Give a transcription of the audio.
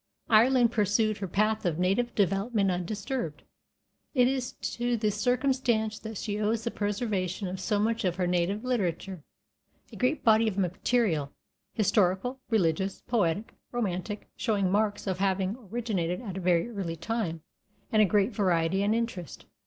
Ireland pursued her path of native development undisturbed. It is to this circumstance that she owes the preservation of so much of her native literature, a great body of material, historical, religious, poetic, romantic, showing marks of having originated at a very early time, and of great variety and interest.